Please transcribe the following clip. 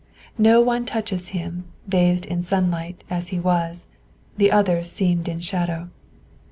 No one touches him; bathed in sunlight, as he was, the others seemed in shadow.